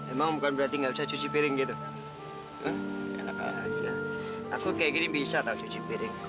emang bukan berarti nggak bisa cuci piring gitu aku kayak gini bisa tahu cuci piring